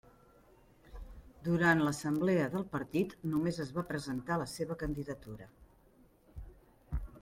Durant l'assemblea del partit només es va presentar la seva candidatura.